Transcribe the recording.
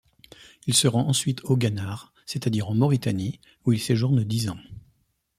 Il se rend ensuite au Gannar, c'est-à-dire en Mauritanie, où il séjourne dix ans.